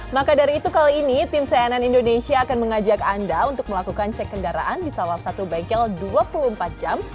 maka dari itu kali ini tim cnn indonesia akan mengajak anda untuk melakukan cek kendaraan di salah satu bengkel dua puluh empat jam